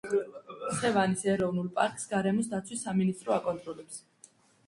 სევანის ეროვნულ პარკს გარემოს დაცვის სამინისტრო აკონტროლებს.